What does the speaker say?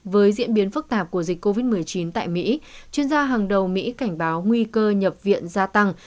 với diễn biến phức tạp của dịch covid một mươi chín tại mỹ chuyên gia hàng đầu mỹ cảnh báo nguy cơ nhập viện gia tăng